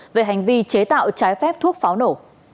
về hành vi chế tạo trái phép thuốc pháo nổ